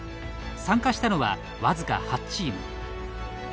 参加したのは、わずか８チーム。